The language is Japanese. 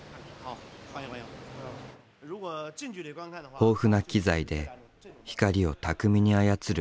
豊富な機材で光を巧みに操る韓。